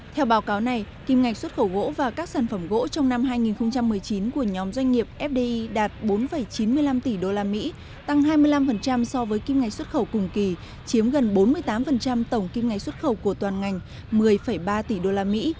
theo báo cáo này kim ngạch xuất khẩu gỗ và các sản phẩm gỗ trong năm hai nghìn một mươi chín của nhóm doanh nghiệp fdi đạt bốn chín mươi năm tỷ usd tăng hai mươi năm so với kim ngạch xuất khẩu cùng kỳ chiếm gần bốn mươi tám tổng kim ngạch xuất khẩu của toàn ngành một mươi ba tỷ usd